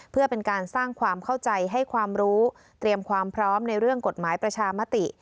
เพื่อเป็นการสร้างความเข้าใจให้ความรู้เตรียมความพร้อมในเรื่องกฎหมายประชามติ